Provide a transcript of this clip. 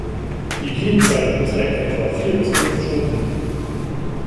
Die Gehzeit beträgt etwa vier bis fünf Stunden.